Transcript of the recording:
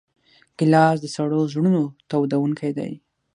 ګیلاس د سړو زړونو تودوونکی دی.